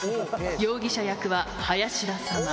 容疑者役は林田様。